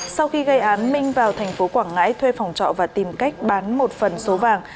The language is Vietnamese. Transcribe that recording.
sau khi gây án minh vào thành phố quảng ngãi thuê phòng trọ và tìm cách bán một phần số vàng